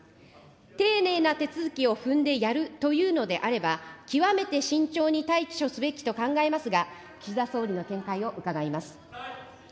丁寧な手続きを踏んでやるというのであれば、極めて慎重に対処すべきと考えますが、岸田総理の見解を伺います。